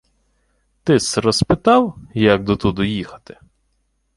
— Ти-с розпитав, як дотуду їхати?